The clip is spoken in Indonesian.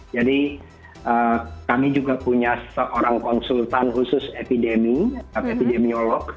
jadi kami juga punya seorang konsultan khusus epidemiolog